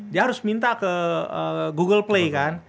dia harus minta ke google play kan